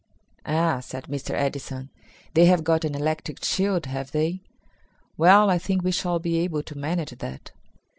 "Ah," said Mr. Edison, "they have got an electric shield, have they? Well, I think we shall be able to manage that."